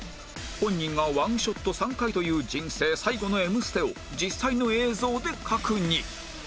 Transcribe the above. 本人が１ショット３回という人生最後の『Ｍ ステ』を実際の映像で確認